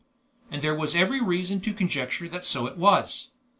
And there was every reason to conjecture that so it was.